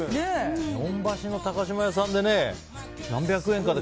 日本橋の高島屋さんで３００円以下で